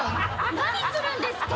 何するんですか。